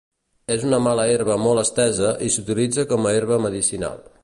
És una mala herba molt estesa i s'utilitza com a herba medicinal.